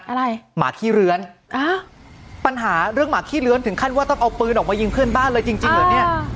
หมาขี้เลื้อนอ่าปัญหาเรื่องหมาขี้เลื้อนถึงขั้นว่าต้องเอาปืนออกมายิงเพื่อนบ้านเลยจริงจริงเหรอเนี่ย